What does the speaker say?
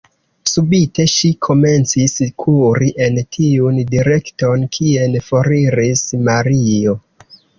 Subite ŝi komencis kuri en tiun direkton, kien foriris Mario.